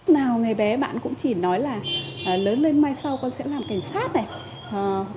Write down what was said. nào ngày bé bạn cũng chỉ nói là lớn lên mai sau con sẽ làm cảnh sát này